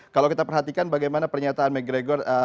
kalau kita perhatikan bagaimana pernyataan mcgregor